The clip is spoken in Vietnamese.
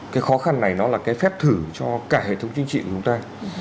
cái khó khăn này nó là cái phép thử cho cả hệ thống chính trị của chúng ta